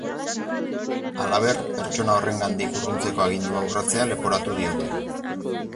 Halaber, pertsona horrengandik urruntzeko agindua urratzea leporatu diote.